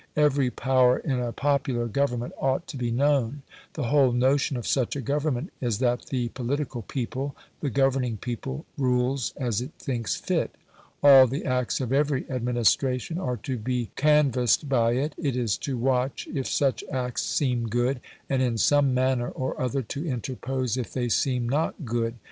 Every power in a popular Government ought to be known. The whole notion of such a Government is that the political people the governing people rules as it thinks fit. All the acts of every administration are to be canvassed by it; it is to watch if such acts seem good, and in some manner or other to interpose if they seem not good.